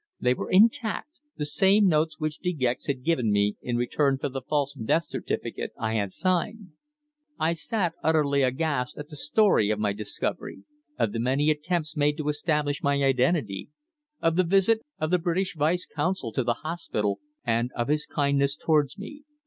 They were intact the same notes which De Gex has given me in return for the false death certificate I had signed. I sat utterly aghast at the story of my discovery, of the many attempts made to establish my identity, of the visit of the British Vice Consul to the hospital, and of his kindness towards me.